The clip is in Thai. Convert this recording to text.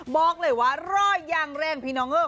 บอกเลยว่ารออย่างแรงพี่น้องเออ